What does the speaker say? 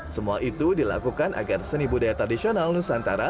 semua itu dilakukan agar seni budaya tradisional nusantara